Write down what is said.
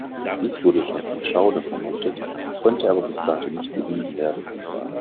Dies wurde schon von Schauder vermutet, konnte aber bis dato nicht bewiesen werden.